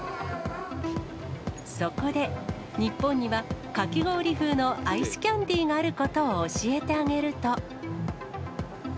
そこで日本にはかき氷風のアイスキャンディーがあることを教えてあげると。